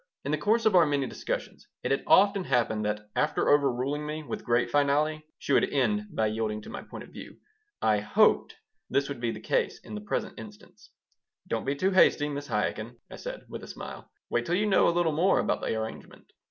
In the course of our many discussions it had often happened that after overruling me with great finality she would end by yielding to my point of view. I hoped this would be the case in the present instance "Don't be so hasty, Mrs. Chaikin," I said, with a smile. "Wait till you know a little more about the arrangement."